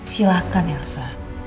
silakan ya rasa